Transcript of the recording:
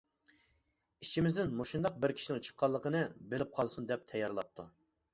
ئىچىمىزدىن مۇشۇنداق بىر كىشىنىڭ چىققانلىقىنى بىلىپ قالسۇن دەپ تەييارلاپتۇ.